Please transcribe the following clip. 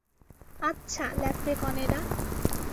আচ্ছা, ল্যাপ্রেকনেরা।